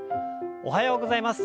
おはようございます。